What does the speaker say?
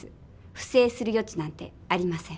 不正するよ地なんてありません。